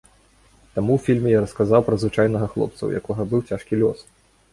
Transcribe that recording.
Таму ў фільме я расказаў пра звычайнага хлопца, у якога быў цяжкі лёс.